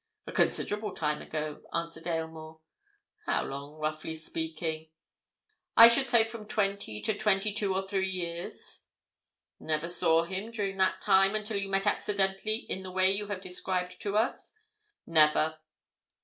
"A considerable time ago," answered Aylmore. "How long—roughly speaking?" "I should say from twenty to twenty two or three years." "Never saw him during that time until you met accidentally in the way you have described to us?" "Never."